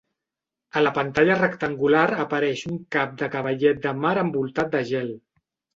A la pantalla rectangular apareix un cap de cavallet de mar envoltat de gel.